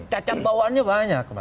cacat bawaannya banyak